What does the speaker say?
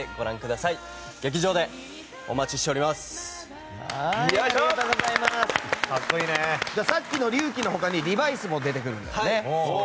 さっきの龍騎の他にリバイスも出てくるんだよね。